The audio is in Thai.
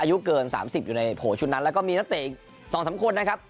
อายุเกิน๓๐อยู่ในโผล่ชุดนั้นแล้วก็มีนักเตะอีก๒๓คนนะครับ